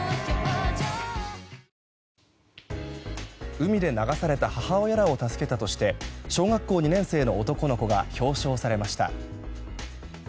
海で流された母親らを助けたとして小学校２年生の男の子が表彰されました。